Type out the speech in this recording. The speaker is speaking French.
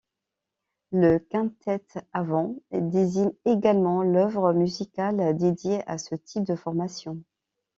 Le quintette à vent désigne également l'œuvre musicale dédiée à ce type de formation.